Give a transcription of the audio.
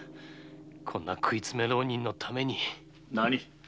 こんな食い詰め浪人のために。